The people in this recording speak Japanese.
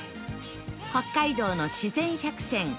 「北海道の自然１００選」